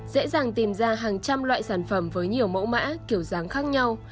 dễ dàng tìm ra hàng trăm loại sản phẩm với nhiều mẫu mã kiểu dáng khác nhau